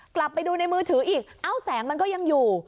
กลับไปดูในมือถืออีกเอ้าแสงมันก็ยังอยู่